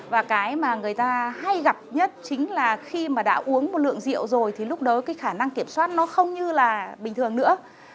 và cái mà người ta hay gặp nhất chính là khi mà đã uống một lượng rượu rồi thì lúc đó cái khả năng kiểm soát nó không như là bình thường nữa